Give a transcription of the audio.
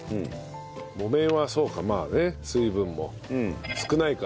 木綿はそうかまあね水分も少ないから。